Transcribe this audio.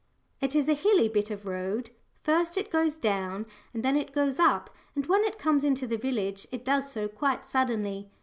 It is a hilly bit of road first it goes down, and then it goes up, and when it comes into the village it does so quite suddenly.